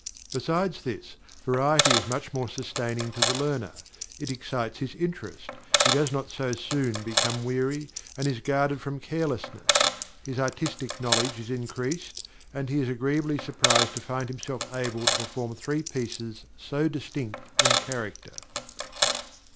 Besides this, variety is much more sustaining to the learner; it excites his interest; he does not so soon become weary, and is guarded from carelessness; his artistic knowledge is increased, and he is agreeably surprised to find himself able to perform three pieces so distinct in character.